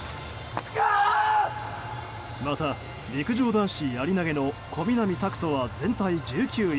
また、陸上男子やり投げの小南拓人は全体１９位。